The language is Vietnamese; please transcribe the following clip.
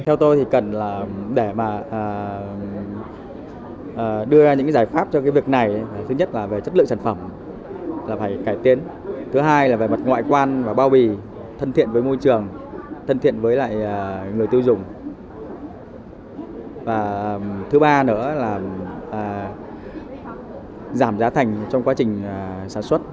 theo tôi thì cần là để mà đưa ra những giải pháp cho cái việc này thứ nhất là về chất lượng sản phẩm là phải cải tiến thứ hai là về mặt ngoại quan và bao bì thân thiện với môi trường thân thiện với lại người tiêu dùng và thứ ba nữa là giảm giá thành trong quá trình sản xuất